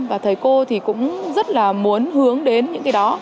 và thầy cô thì cũng rất là muốn hướng đến những cái đó